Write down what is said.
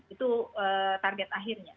itu target akhirnya